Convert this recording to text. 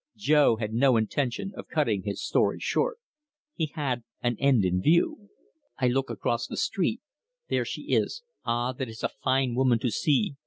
Jo had no intention of cutting his story short. He had an end in view. "I look across the street. There she is ' Ah, that is a fine woman to see!